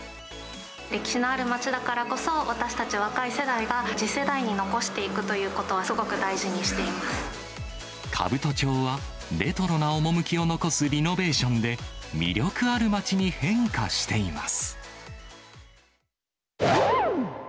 歴史のある街だからこそ、私たち若い世代が次世代に残していくということは、すごく大事に兜町は、レトロな趣を残すリノベーションで、魅力ある街に変化しています。